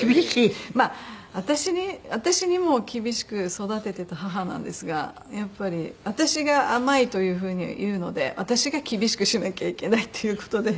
まあ私に私にも厳しく育ててた母なんですがやっぱり私が甘いという風に言うので私が厳しくしなきゃいけないっていう事で。